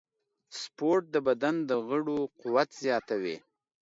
سپورت د بدن د غړو قوت زیاتوي.